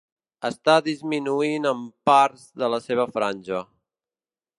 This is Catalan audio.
Està disminuint en parts de la seva franja.